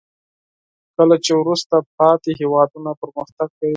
کله چې وروسته پاتې هیوادونه پرمختګ کوي.